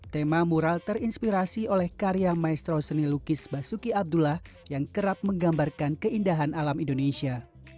tema mural terinspirasi oleh karya maestro seni lukis basuki abdullah yang kerap menggambarkan keindahan alam indonesia